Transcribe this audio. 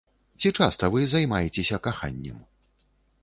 Ці часта вы займаецеся каханнем?